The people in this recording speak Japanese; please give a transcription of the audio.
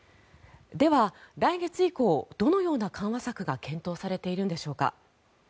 では、来月以降どのような緩和策が検討されているんでしょうか。